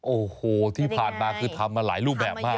โอ้โหที่ผ่านมาคือทำมาหลายรูปแบบมาก